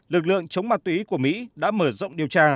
lực lượng chống ma túy của mỹ đã mở rộng điều tra